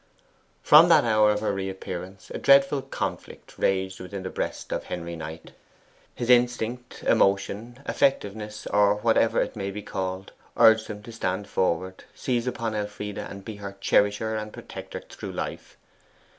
From that hour of her reappearance a dreadful conflict raged within the breast of Henry Knight. His instinct, emotion, affectiveness or whatever it may be called urged him to stand forward, seize upon Elfride, and be her cherisher and protector through life.